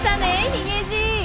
ヒゲじい。